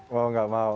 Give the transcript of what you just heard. mau nggak mau